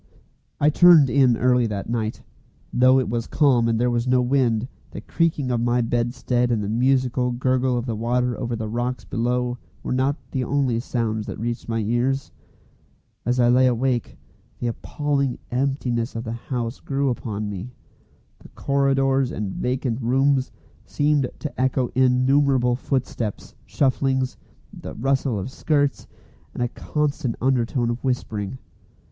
I turned in early that night. Though it was calm and there was no wind, the creaking of my bedstead and the musical gurgle of the water over the rocks below were not the only sounds that reached my ears. As I lay awake, the appalling emptiness of the house grew upon me. The corridors and vacant rooms seemed to echo innumerable footsteps, shufflings, the rustle of skirts, and a constant undertone of whispering.